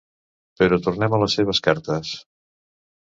Però tornem a les seves cartes.